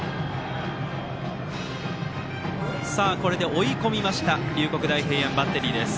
追い込みました龍谷大平安バッテリーです。